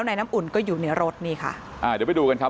สวัสดีครับสวัสดีครับ